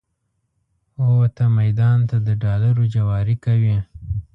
ووته میدان ته د ډالرو جواري کوي